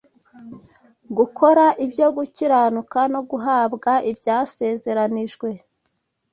gukora ibyo gukiranuka no guhabwa ibyasezeranijwe